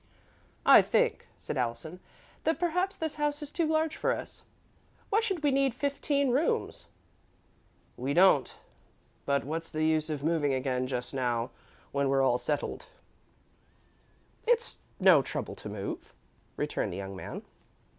"I think," said Allison, "that perhaps this house is too large for us. Why should we need fifteen rooms?" "We don't, but what's the use of moving again just now, when we're all settled." "It's no trouble to move," returned the young man.